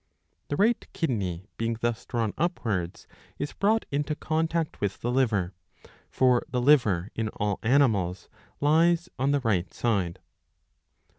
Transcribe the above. ^^ The right kidney being thus drawn upwards is brought into contact with the liver ; for the liver in all animals lies on the right side.